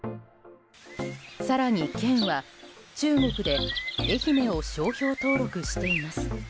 更に、県は中国で愛媛を商標登録しています。